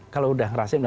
kalau sudah rasanya